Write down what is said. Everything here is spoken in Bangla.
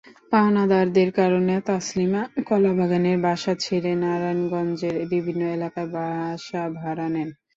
পাওনাদারদের কারণে তাসলিমা কলাবাগানের বাসা ছেড়ে নারায়ণগঞ্জের বিভিন্ন এলাকায় বাসা ভাড়া নেন।